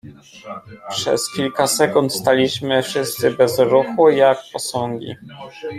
"Przez kilka sekund staliśmy wszyscy bez ruchu, jak posągi."